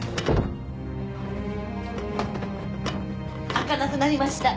・開かなくなりました。